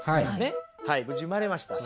はい無事産まれました。